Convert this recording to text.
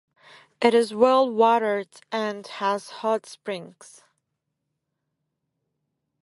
It is well watered and has hot springs.